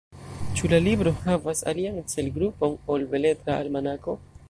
Ĉu la libro havas alian celgrupon ol Beletra Almanako?